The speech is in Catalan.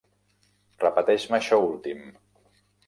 Repeteix-me això últim.